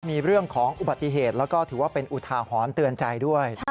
มีเรื่องของอุบัติเหตุแล้วก็ถือว่าเป็นอุทาหรณ์เตือนใจด้วย